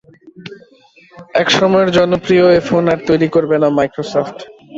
একসময়ের জনপ্রিয় এ ফোন আর তৈরি করবে না মাইক্রোসফট।